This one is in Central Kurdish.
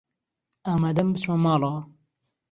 ئامادەم بچمە ماڵەوە.